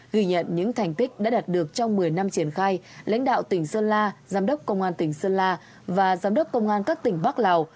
ghi nhận những thành tích đã đạt được trong một mươi năm triển khai lãnh đạo tỉnh sơn la giám đốc công an tỉnh sơn la và giám đốc công an các tỉnh bắc lào